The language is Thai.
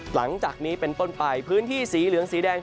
หลังจากนี้เป็นต้นไปพื้นที่สีเหลืองสีแดง